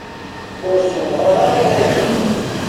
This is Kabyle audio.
Ur ssemɣar ara iman-im.